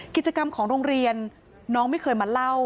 กิจกรรมของโรงเรียนน้องไม่เคยมาเล่า